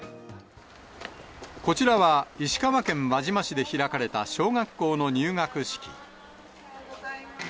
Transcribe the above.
こちらは石川県輪島市で開かれた小学校の入学式。